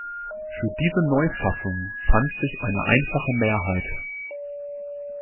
Für diese Neufassung fand sich eine einfache Mehrheit.